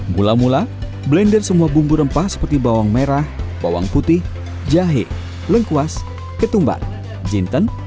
mula mula blender semua bumbu rempah seperti bawang merah bawang putih jahe lengkuas ketumbar jinten